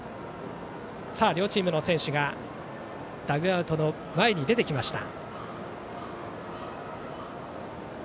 両チームの選手がダグアウトの前に出てきました。